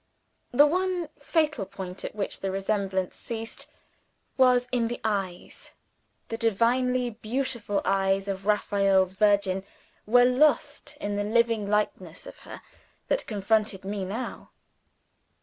The one fatal point at which the resemblance ceased, was in the eyes. The divinely beautiful eyes of Raphael's Virgin were lost in the living likeness of her that confronted me now.